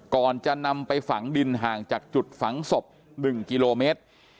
ก่อนจะนำไปฝังดินห่างจากจุดฝังศพ๑กิโลเมตร